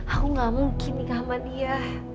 aku gak mungkin nikah sama dia